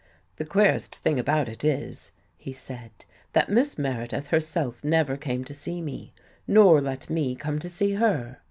" The queerest thing about it is," he said, " that Miss Meredith herself never came to see me, nor let me come to see her.